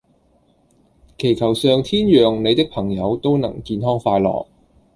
祈求上天讓你的朋友都能健康快樂